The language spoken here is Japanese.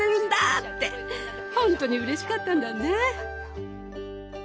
ほんとにうれしかったんだね。